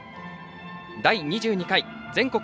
第２２回全国